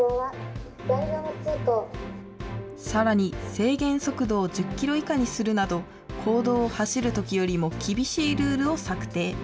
制限速度を１０キロ以下にするなど、公道を走るときよりも厳しいルールを策定。